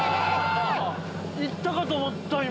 いったかと思った今。